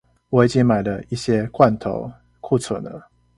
我已經買了一些罐頭庫存了